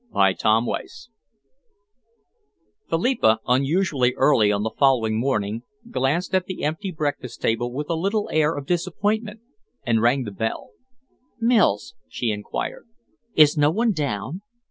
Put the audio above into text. CHAPTER XXV Philippa, unusually early on the following morning, glanced at the empty breakfast table with a little air of disappointment, and rang the bell. "Mills," she enquired, "is no one down?"